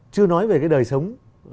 chưa nói về cái đời sống